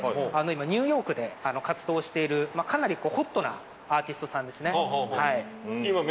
ニューヨークで活動しているかなりホットなアーティストさんですね。